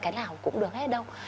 cái nào cũng được hết đâu